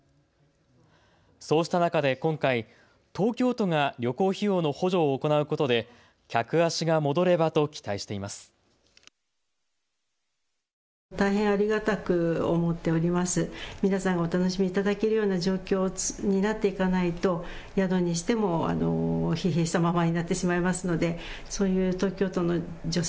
そうした中で今回、東京都が旅行費用の補助を行うことで客足が戻ればと期待しています。